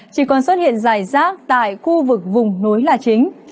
chỉ còn xuất hiện dài rác tại khu vực vùng núi là chính